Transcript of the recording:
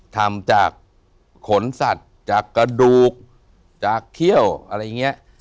ทำจากขนสัตว์จากกระดูกจากเขี้ยวอะไรอย่างนี้